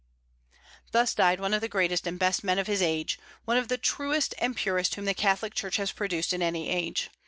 Thus died one of the greatest and best men of his age, one of the truest and purest whom the Catholic Church has produced in any age.